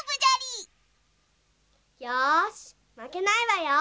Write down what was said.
よしまけないわよ。